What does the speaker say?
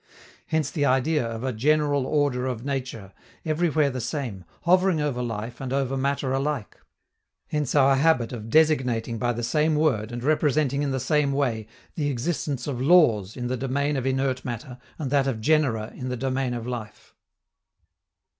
Hence the idea of a general order of nature, everywhere the same, hovering over life and over matter alike. Hence our habit of designating by the same word and representing in the same way the existence of laws in the domain of inert matter and that of genera in the domain of life.